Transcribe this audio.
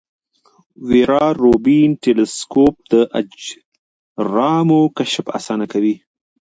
ویرا روبین ټیلسکوپ د اجرامو کشف اسانه کوي.